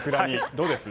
どうですか。